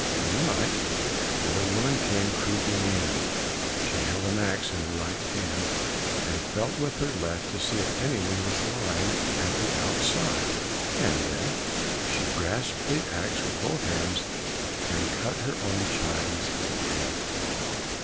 In the night, the old woman came creeping in, she held an axe in her right hand, and felt with her left to see if anyone was lying at the outside, and then she grasped the axe with both hands, and cut her own child's head off.